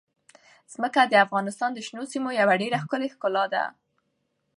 ځمکه د افغانستان د شنو سیمو یوه ډېره ښکلې ښکلا ده.